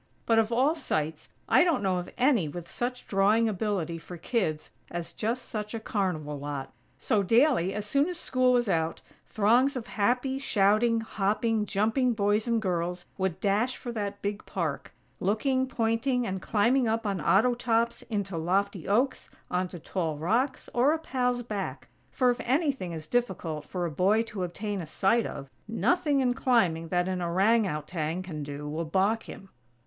But, of all sights, I don't know of any with such drawing ability for kids as just such a carnival lot. So, daily, as soon as school was out, throngs of happy, shouting, hopping, jumping boys and girls would dash for that big park; looking, pointing, and climbing up on auto tops, into lofty oaks, onto tall rocks, or a pal's back; for if anything is difficult for a boy to obtain a sight of, nothing in climbing that an orang outang can do, will balk him!